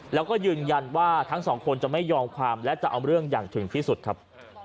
แล้วก็ยืนยันว่าทั้งสองคนจะไม่ยอมความและจะเอาเรื่องอย่างถึงที่สุดครับ